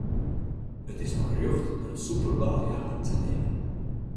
It is mei rjocht in Superwahljahr te neamen.